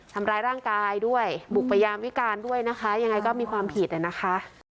ทำร้ายร่างกายด้วยบุกไปยามวิการด้วยนะคะยังไงก็มีความผิดนะคะ